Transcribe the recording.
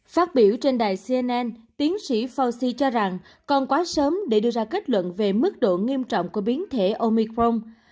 phát biểu trên đài cnn tiến sĩ fauci cho rằng còn quá sớm để đưa ra kết luận về mức độ nghiêm trọng của biến thể omicron